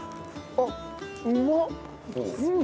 あっうまっ！